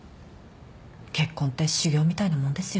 結婚って修行みたいなもんですよね。